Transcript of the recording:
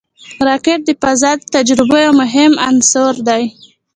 راکټ د فضا د تجربو یو مهم عنصر دی